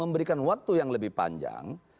memberikan waktu yang lebih panjang